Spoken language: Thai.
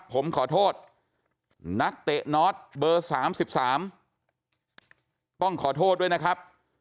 ผมขอโทษนักเตะนอสเบอร์๓๓ต้องขอโทษด้วยนะครับ